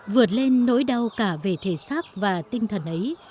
vượt lên nỗi đau cả về thể xác và tinh thần ấy